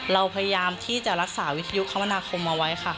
เราพยายามที่จะรักษาวิทยุคมนาคมเอาไว้ค่ะ